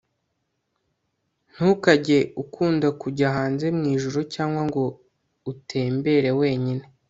ntukajye ukunda kujya hanze mu ijoro cyangwa ngo utembere wenyine